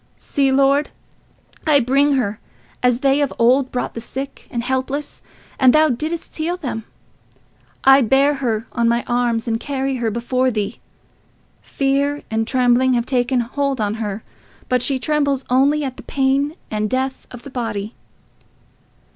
"See, Lord, I bring her, as they of old brought the sick and helpless, and thou didst heal them. I bear her on my arms and carry her before thee. Fear and trembling have taken hold on her, but she trembles only at the pain and death of the body.